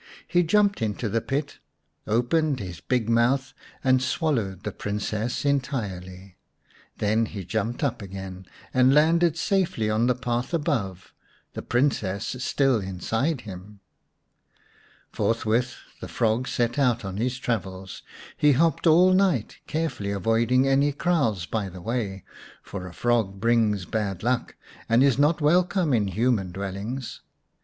He jumped into the pit, opened his big mouth and swallowed the Princess entirely. Then he jumped up again, and landed safely on the path above, the Princess still inside him. Forthwith the frog set out on his travels. He hopped all night, carefully avoiding any kraals by the way, for a frog brings bad luck, and is not welcome in human dwellings.